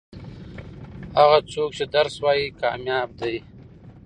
هغه څوک چې درس وايي کامياب دي.